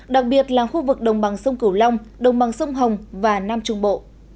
đặc biệt là khu vực đồng bằng sông cửu long đồng bằng sông hồng và nam trung bộ